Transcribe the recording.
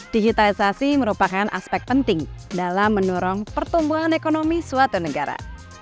digitalisasi merupakan aspek penting dalam mendorong pertumbuhan ekonomi suatu negara